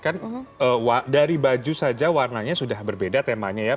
kan dari baju saja warnanya sudah berbeda temanya ya